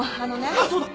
あっそうだ！